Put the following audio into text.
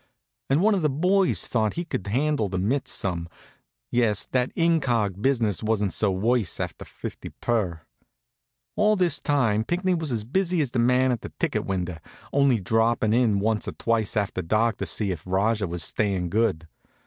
And one of the boys thought he could handle the mitts some. Yes, that in cog. business wasn't so worse, at fifty per. All this time Pinckney was as busy as the man at the ticket window, only droppin' in once or twice after dark to see if Rajah was stayin' good.